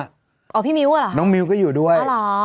อ๋อพี่มิ้วอะเหรอครับอ๋อเหรอแล้วก็น้องมิ้วก็อยู่ด้วย